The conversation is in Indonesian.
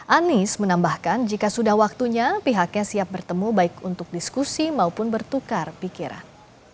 anies menambahkan jika sudah waktunya pihaknya siap bertemu baik untuk diskusi maupun bertukar pikiran